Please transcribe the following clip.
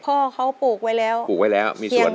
พ่อเขาปลูกไว้แล้วปลูกไว้แล้วมีส่วน